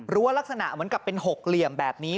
ลักษณะเหมือนกับเป็นหกเหลี่ยมแบบนี้